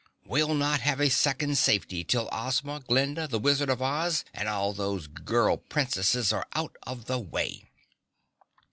"We'll not have a second's safety till Ozma, Glinda, the Wizard of Oz and all those girl Princesses are out of the way."